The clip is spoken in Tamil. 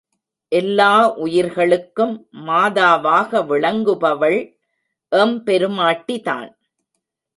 எல்லா உயிர்களுக்கும் மாதாவாக விளங்குபவள் எம் பெருமாட்டி தான்.